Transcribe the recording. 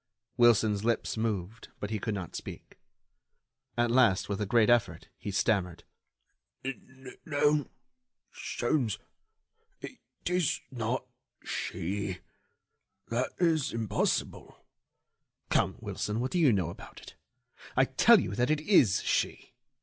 Wilson's lips moved, but he could not speak. At last, with a great effort, he stammered: "No ... Sholmes ... it is not she ... that is impossible——" "Come, Wilson, what do you know about it? I tell you that it is she!